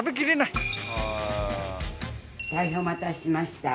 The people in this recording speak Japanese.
大変お待たせしました